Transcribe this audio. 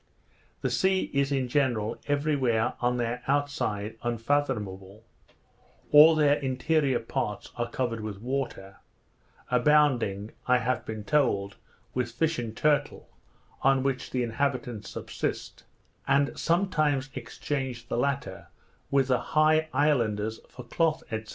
The sea is in general, every where, on their outside, unfathomable; all their interior parts are covered with water, abounding, I have been told, with fish and turtle, on which the inhabitants subsist, and sometimes exchange the latter with the high islanders for cloth, &c.